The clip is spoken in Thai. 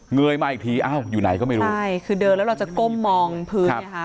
เยยมาอีกทีอ้าวอยู่ไหนก็ไม่รู้ใช่คือเดินแล้วเราจะก้มมองพื้นไงคะ